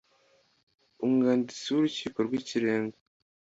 umwanditsi w’urukiko rw’ikirenga